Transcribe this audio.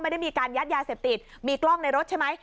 ไม่ได้มีการยัดยาเสพติดมีกล้องในรถใช่ไหม